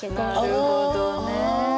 なるほどね。